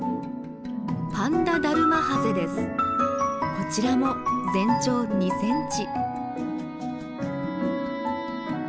こちらも全長２センチ。